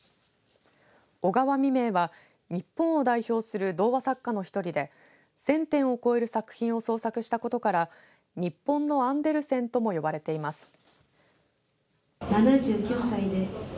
小川未明は日本を代表する童話作家の１人で１０００点を超える作品を創作したことから日本のアンデルセンとも呼ばれています。